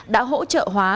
đã hỗ trợ hóa